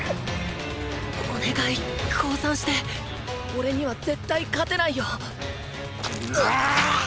お願い降参しておれには絶対勝てないよ。